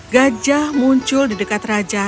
gajah muncul di dekat raja